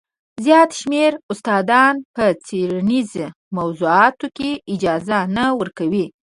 زیات شمېر استادان په څېړنیزو موضوعاتو کې اجازه نه ورکوي.